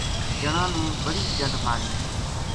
جنا نے بڑی بڑی ڈنڈ ماری